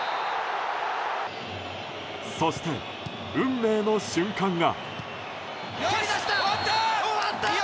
そして、運命の瞬間が。